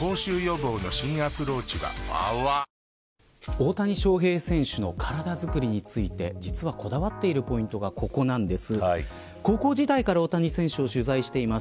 大谷翔平選手の体づくりについて実はこだわっているポイントがここなんです。